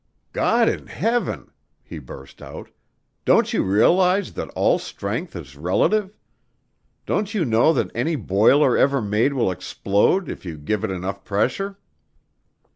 "God in Heaven!" he burst out. "Don't you realize that all strength is relative? Don't you know that any boiler ever made will explode if you give it enough pressure?"